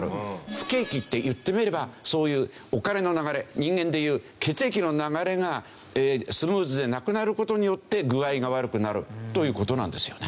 不景気って言ってみればそういうお金の流れ人間でいう血液の流れがスムーズでなくなる事によって具合が悪くなるという事なんですよね。